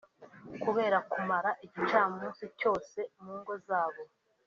Kubera kumara igicamunsi cyose mu ngo zabo